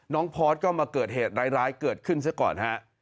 พอร์ตก็มาเกิดเหตุร้ายเกิดขึ้นซะก่อนฮะ